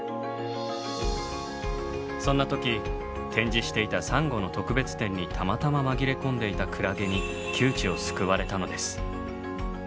そんな時展示していたサンゴの特別展にたまたま紛れ込んでいたクラゲに窮地を救われたのです。